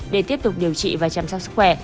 để tiếp tục điều trị và chăm sóc sức khỏe